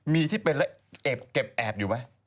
มีที่เป็นแล้วเก็บแอบอยู่ไหม